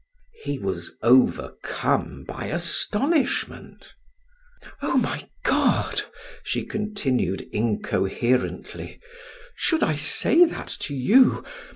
He was overcome by astonishment. "Oh, my God!" she continued incoherently, "Should I say that to you?